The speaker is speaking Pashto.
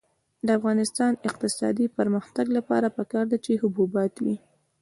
د افغانستان د اقتصادي پرمختګ لپاره پکار ده چې حبوبات وي.